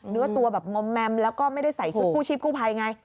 เนื้อตัวแบบมอมแมมแล้วก็ไม่ได้ใส่ชุดกู้ชีพกู้ภัยไง